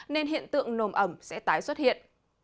nên hiện tượng nồm ẩm sẽ tái xuất hiện